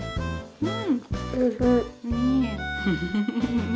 うん。